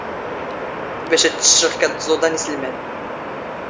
ⴱⴰⵛ ⴰⴷ ⵜⵜⵛⵖ ⴽⴰ ⵏ ⵜⵥⵓⴹⴰ ⵏ ⵉⵙⵍⵎⴰⵏ